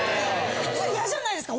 普通嫌じゃないですか？